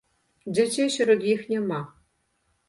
Дзяцей сярод іх няма.